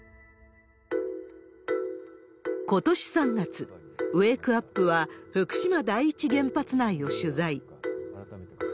ことし３月、ウェークアップは、福島第一原発内を取材。